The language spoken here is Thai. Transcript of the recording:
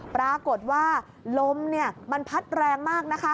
ปรากฏว่าลมพัดแรงมาก